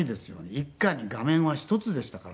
一家に画面は一つでしたからね。